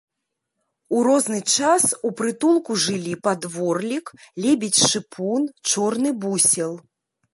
У розны час у прытулку жылі падворлік, лебедзь-шыпун, чорны бусел.